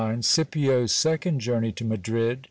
— Scipio 's second journey to Madrid.